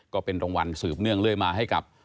ก็เป็นรางวัลสืบเนื่องเรื่อยมาให้กับ